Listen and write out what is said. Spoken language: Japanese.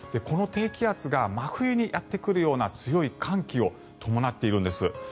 この低気圧が真冬にやってくるような強い寒気を伴っているんです。